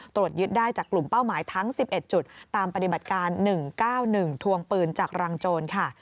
ตรวจยึดได้จากกลุ่มเป้าหมายทั้ง๑๑จุดตามปฏิบัติการ๑๙๑ทวงปืนจากรังโจรค่ะ